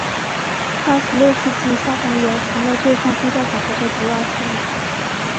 到十六世纪下半叶成了对抗宗教改革的主要势力。